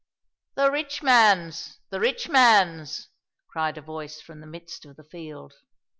" The rich man's, the rich man's," cried a voice from the midst of the field.